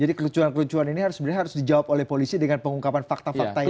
jadi kelucuan kelucuan ini harus dijawab oleh polisi dengan pengungkapan fakta fakta yang